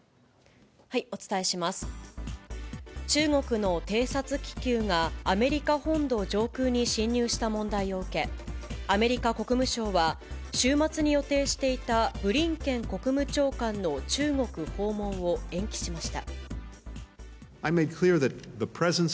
中国の偵察気球がアメリカ本土上空に侵入した問題を受け、アメリカ国務省は、週末に予定していたブリンケン国務長官の中国訪問を延期しました。